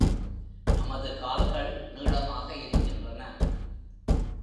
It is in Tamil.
நமது கால்கள் நீளமாக இருக்கின்றன.